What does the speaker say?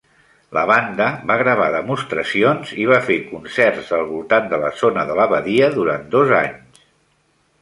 La banda va gravar demostracions i va fer concerts al voltant de la zona de la badia durant dos anys.